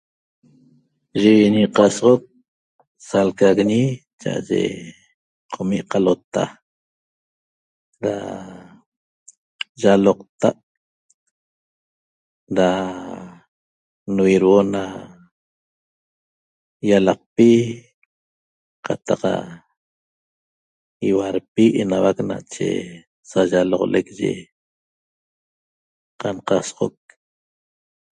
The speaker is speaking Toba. Ye inqasoxoc salqaguiñi cha'aye qomi' qalota ra yaloqta' ra nvirhuo na ialaqpi qataq ihuarpi enauac nache sayaloqlec ye qanqasoxoc